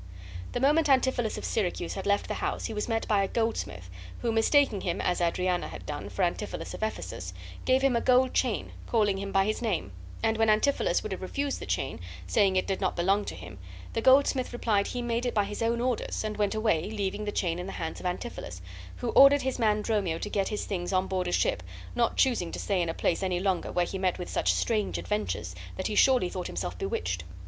The moment Antipholus of Syracuse had left the house he was met by a goldsmith, who, mistaking him, as Adriana had done, for Antipholus of Ephesus, gave him a gold chain, calling him by his name; and when Antipholus would have refused the chain, saying it did not belong to him, the goldsmith replied he made it by his own orders, and went away, leaving the chain in the hands of Antipholus, who ordered his man Dromio to get his things on board a ship, not choosing to stay in a place any longer where he met with such strange adventures that he surely thought himself bewitched.